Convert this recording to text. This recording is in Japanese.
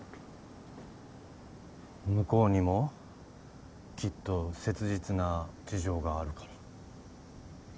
向こうにもきっと切実な事情があるから。